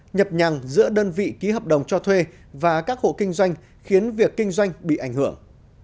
nhập nhằng giữa đơn vị ký hợp đồng cho thuê và các hộ kinh doanh khiến việc kinh doanh bị ảnh hưởng